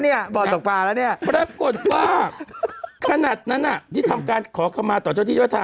เนี่ยบ่ตกปลาแล้วเนี่ยแปลปกดปลาขนาดนั้นอ่ะที่ทำการขอเข้ามาต่อเจ้าที่ยอดทางนาง